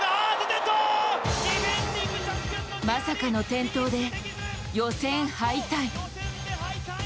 まさかの転倒で予選敗退。